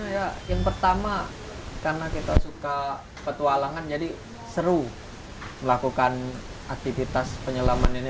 ya yang pertama karena kita suka petualangan jadi seru melakukan aktivitas penyelaman ini